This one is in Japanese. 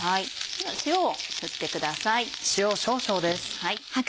塩を振ってください。